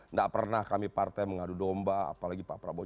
nggak pernah kami partai mengadu domba apalagi pak prabowo